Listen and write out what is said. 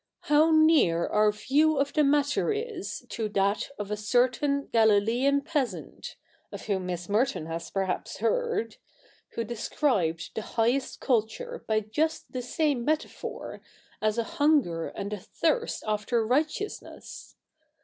' how near our view of the matter is to that of a certain Galilean peasant — of whom Miss Merton has perhaps heard — who 128 THE NEW REPUBLIC [bk. hi described the highest culture by just the same metaphor, as a hunger and a thirst after righteousness.